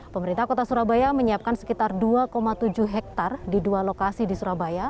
pemerintah kota surabaya menyiapkan sekitar dua tujuh hektare di dua lokasi di surabaya